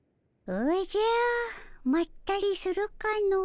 おじゃまったりするかの。